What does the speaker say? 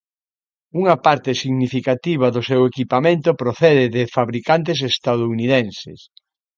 Unha parte significativa do seu equipamento procede de fabricantes estadounidenses.